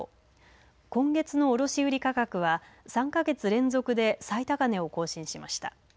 今月の卸売価格は３か月連続で最高値を更新しました。